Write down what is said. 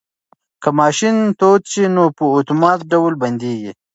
که ماشین تود شي نو په اتومات ډول بندیږي.